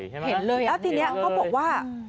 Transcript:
เห็นเลยแล้วทีนี้เขาบอกว่า